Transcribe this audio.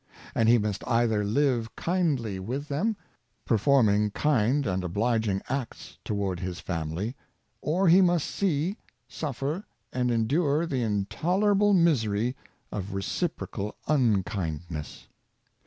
And he must either live kindly with them — performing kind and obliging acts toward his family, or he must see, suffer, and en dure the intolerable misery of reciprocal unkindness.